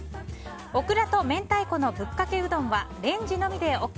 オクラと明太子のぶっかけうどんはレンジのみでＯＫ。